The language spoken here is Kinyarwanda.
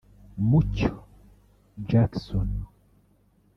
Mucyo Jackson